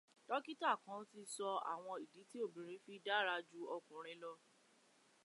Dọ́kítà kan ti sọ àwọn ìdí tí obìnrin fi dára ju ọkùnrin lọ.